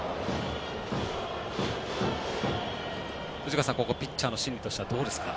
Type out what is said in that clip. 藤川さん、ここピッチャーの心理としてはどうですか？